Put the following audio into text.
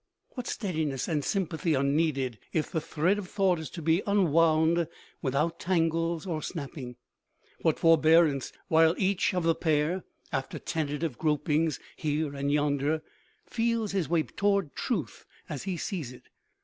What steadiness and sympathy are needed if the thread of thought is to be unwound without tangles or snapping! What forbearance, while each of the pair, after tentative gropings here and yonder, feels his way toward truth as he sees it.